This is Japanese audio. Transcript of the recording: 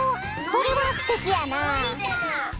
それはすてきやな。